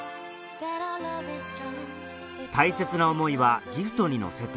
大切な思いはギフトに乗せて